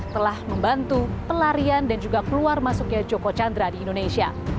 telah membantu pelarian dan juga keluar masuknya joko chandra di indonesia